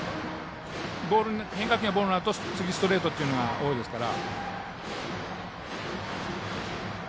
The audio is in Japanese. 変化球がボールになると次ストレートが多いですから。